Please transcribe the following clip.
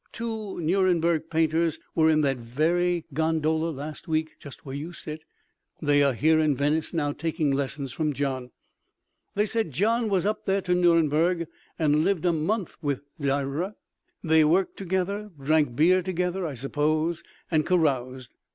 Two Nuremberg painters were in that very gondola last week just where you sit—they are here in Venice now, taking lessons from Gian, they said. Gian was up there to Nuremberg and lived a month with Durer—they worked together, drank beer together, I suppose, and caroused.